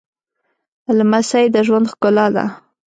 لمسی د ژوند ښکلا ده